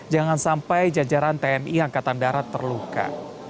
jangan sampai jajaran tni angkatan darat terluka